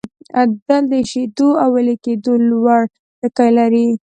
تل د ایشېدو او ویلي کېدو لوړ ټکي لري.